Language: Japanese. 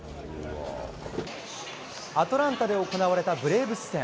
アトランタで行われたブレーブス戦。